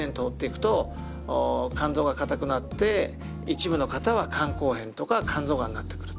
肝臓が硬くなって一部の方は肝硬変とか肝臓がんになってくると。